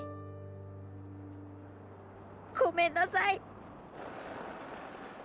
ごめんなさい！